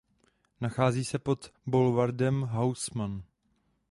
Nachází se pod "Boulevardem Haussmann".